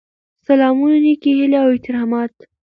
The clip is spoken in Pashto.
سلامونه نیکې هیلې او احترامات.